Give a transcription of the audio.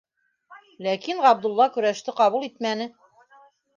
Ләкин Ғабдулла көрәште ҡабул итмәне.